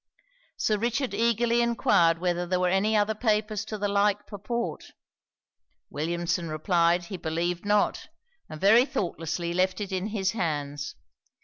Sir Richard eagerly enquired whether there were any other papers to the like purport. Williamson replied, he believed not; and very thoughtlessly left it in his hands.